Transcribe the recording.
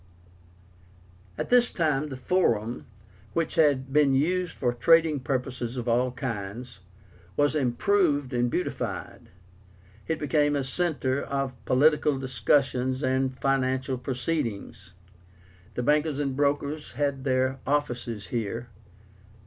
At this time the FORUM, which had been used for trading purposes of all kinds, was improved and beautified. It became a centre for political discussions and financial proceedings. The bankers and brokers had their offices here.